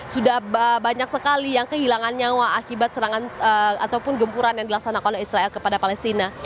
sudah banyak sekali yang kehilangan nyawa akibat serangan ataupun gempuran yang dilaksanakan israel kepada palestina